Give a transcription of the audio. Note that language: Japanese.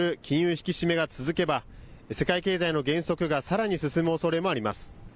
引き締めが続けば世界経済の減速がさらに進むおそれもあります。